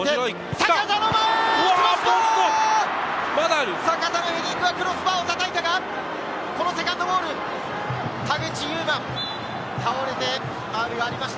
阪田のヘディングはクロスバーを叩いたが、このセカンドボール、田口裕真、倒れて、ファウルがありました。